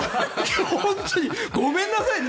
本当にごめんなさい。